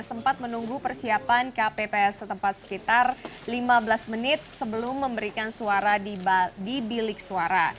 sempat menunggu persiapan kpps setempat sekitar lima belas menit sebelum memberikan suara di bilik suara